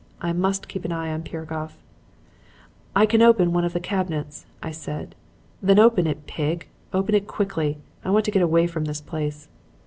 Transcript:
I must keep an eye on Piragoff. "'I can open one of the cabinets,' I said. "'Then open it, pig! Open it quickly! I want to get away from this place!'